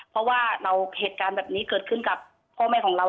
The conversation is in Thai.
เพราะว่าเหตุการณ์แบบนี้เกิดขึ้นกับพ่อแม่ของเรา